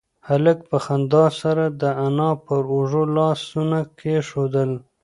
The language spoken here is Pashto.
هلک په خندا سره د انا پر اوږو لاسونه کېښودل.